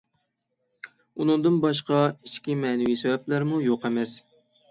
ئۇندىن باشقا، ئىچكى مەنىۋى سەۋەبلەرمۇ يوق ئەمەس.